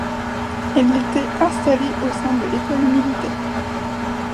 Elle était installée au sein de l'École militaire.